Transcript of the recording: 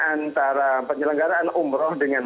antara penyelenggaraan umroh dengan